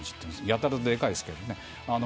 やたら、でかいですけどね。